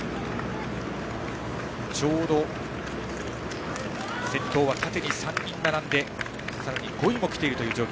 ちょうど先頭は縦に３人並んでさらに５位も来ている状況。